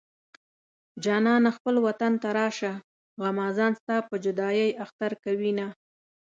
جانانه خپل وطن ته راشه غمازان ستا په جدايۍ اختر کوينه